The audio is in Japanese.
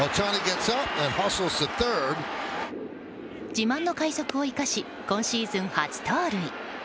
自慢の快足を生かし今シーズン初盗塁。